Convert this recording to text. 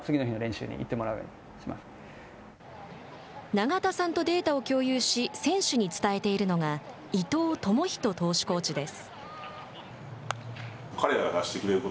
永田さんとデータを共有し選手に伝えているのが伊藤智仁投手コーチです。